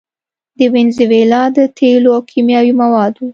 د وينزويلا د تېلو او کيمياوي موادو